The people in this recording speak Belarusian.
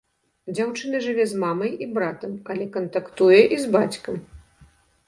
Дзяўчына жыве з мамай і братам, але кантактуе і з бацькам.